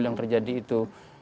yang terjadi itu